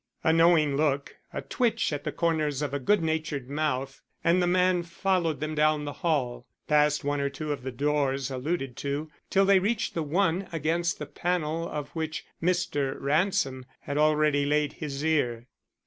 A knowing look, a twitch at the corners of a good natured mouth, and the man followed them down the hall, past one or two of the doors alluded to, till they reached the one against the panel of which Mr. Ransom had already laid his ear.